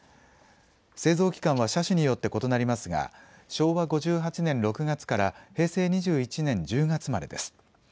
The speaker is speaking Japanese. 製造期間は車種によって異なりますが昭和５８年６月から平成２１年１０月までです。